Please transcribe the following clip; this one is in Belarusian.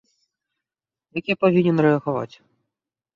Як я павінен рэагаваць?